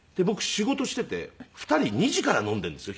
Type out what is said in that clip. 仕事していて２人２時から飲んでいるんですよ